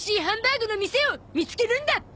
ハンバーグの店を見つけるんだ！